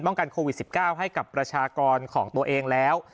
กันโควิด๑๙ให้กับประชากรของตัวเองแล้ว